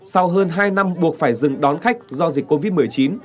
sau hơn hai năm buộc phải dừng đón khách do dịch covid một mươi chín